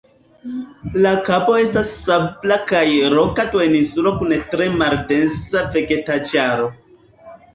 La kabo estas sabla kaj roka duoninsulo kun tre maldensa vegetaĵaro.